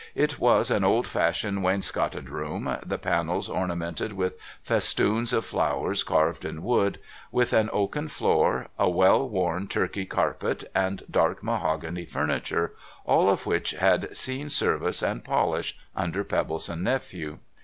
It was an old fashioned wainscoted room ; the panels ornamented with festoons of flowers carved in wood ; with an oaken floor, a well worn Turkey carpet, and dark mahogany furniture, all of which had seen service and polish under Pebbleson Nephew.